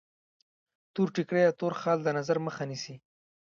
تور ټیکری یا تور خال د نظر مخه نیسي.